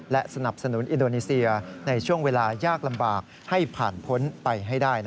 และสนับสนุนอินโดนีเซียในช่วงเวลายากลำบากให้ผ่านพ้นไปให้ได้